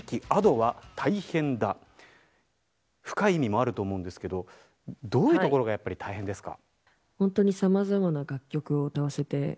深い意味もあると思うんですけどどういうところがやっぱり大変ですか。